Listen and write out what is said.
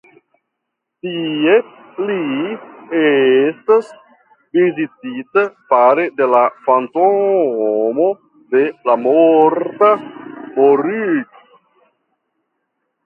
Tie li estas vizitita fare de la fantomo de la morta Moritz.